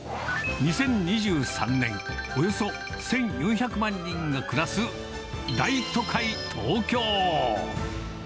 ２０２３年、およそ１４００万人が暮らす大都会東京。